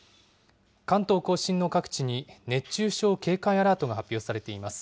関東甲信の各地に熱中症警戒アラートが発表されています。